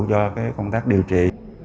cho cái công tác điều trị